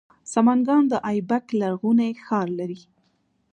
سمنګان د ایبک لرغونی ښار لري